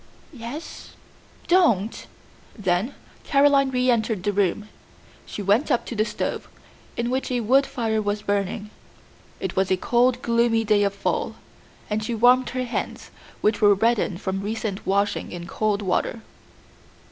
"Yes. Don't!" Then Caroline reentered the room; she went up to the stove, in which a wood fire was burning it was a cold, gloomy day of fall and she warmed her hands, which were reddened from recent washing in cold water.